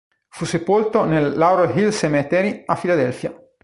Fu sepolto nel Laurel Hill Cemetery a Filadelfia.